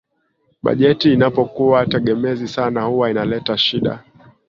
Bajeti inapokuwa tegemezi sana huwa inaleta shida